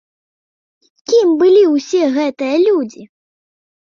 Кім былі ўсе гэтыя людзі?